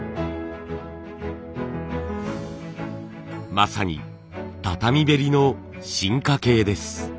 まさに畳べりの進化形です。